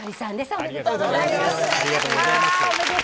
ありがとうございます。